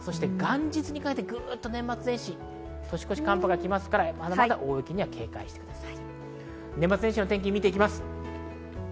この後、大みそか、そして元日にかけて年末年始、年越し寒波が来ますから、まだまだ大雪には警戒してください。